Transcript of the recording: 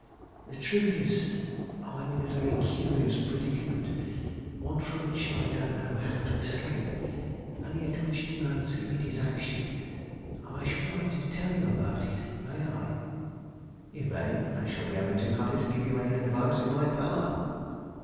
The truth is, I am in a very curious predicament; one from which I don't know how to escape, and yet which demands immediate action. I should like to tell you about it; may I?" "You may; I shall be only too happy to give you any advice in my power."